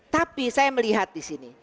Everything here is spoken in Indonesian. tapi saya melihat di sini